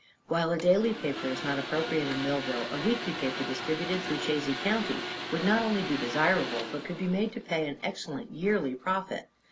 "While a daily paper is not appropriate in Millville, a weekly paper, distributed throughout Chazy County, would not only be desirable but could be made to pay an excellent yearly profit.